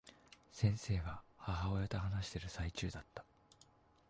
先生は、母親と話している最中だった。